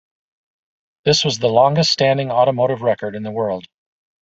This was the longest standing automotive record in the world.